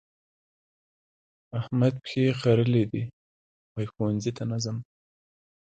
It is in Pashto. احمد پښې خرلې دي؛ وايي ښوونځي ته نه ځم.